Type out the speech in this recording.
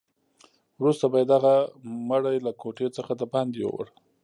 وروسته به یې دغه مړی له کوټې څخه دباندې یووړ.